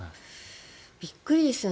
びっくりですよね。